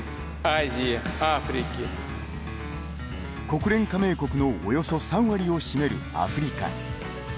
国連加盟国のおよそ３割を占めるアフリカ。